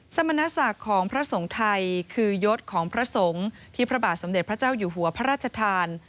สมณศักดิ์ของพระสงฆ์ไทยคือยศของพระสงฆ์ที่พระบาทสมเด็จพระเจ้าอยู่หัวพระราชทาน